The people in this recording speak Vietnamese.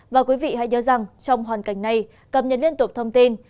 và quý vị hãy nhớ rằng trong hoàn cảnh này cập nhật liên tục thông tin